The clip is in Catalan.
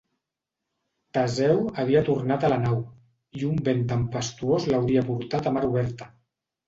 Teseu havia tornat a la nau, i un vent tempestuós l'hauria portat a mar oberta.